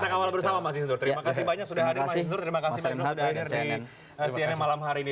kita kawal bersama mas isnur terima kasih banyak sudah hadir mas isnur terima kasih mas isnur sudah hadir di cnn malam hari ini